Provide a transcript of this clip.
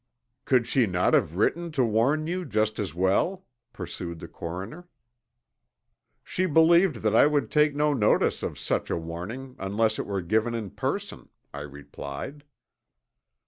"Could she not have written to warn you, just as well?" pursued the coroner. "She believed that I would take no notice of such a warning unless it were given in person," I replied.